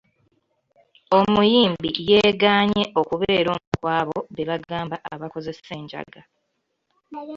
Omuyimbi yegaanye okubeera omu ku abo be bagamba abakozesa enjaga.